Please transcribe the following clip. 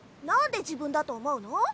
何で自分だと思うの？